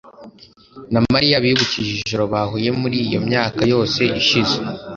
na Mariya bibukije ijoro bahuye muri iyo myaka yose ishize